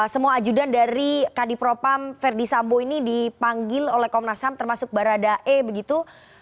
semua ajudan dari kadipropam verdi sambo ini dipanggil oleh komnas ham termasuk baradae begitu